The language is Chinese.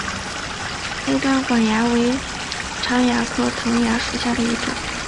黑端管蚜为常蚜科藤蚜属下的一个种。